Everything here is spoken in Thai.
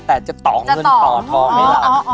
แต่จะต่อเงินต่อทองให้หลาน